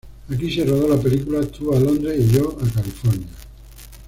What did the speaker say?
Aquí se rodó la película Tú a Londres y yo a California.